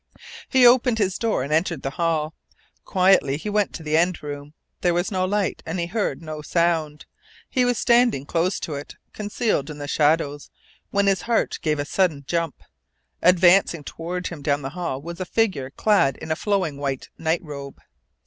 He opened his door and entered the hall. Quietly he went to the end room. There was no light and he heard no sound. He was standing close to it, concealed in the shadows, when his heart gave a sudden jump. Advancing toward him down the hall was a figure clad in a flowing white night robe.